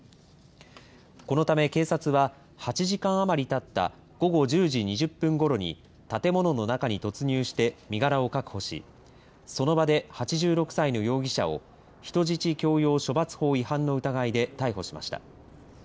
このため警察は８時間余りたった午後１０時２０分ごろに建物の中に突入して身柄を確保しその場で８６歳の容疑者を人質強要処罰法違反の疑いで逮捕しました。